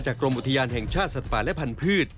กรมอุทยานแห่งชาติสัตว์ป่าและพันธุ์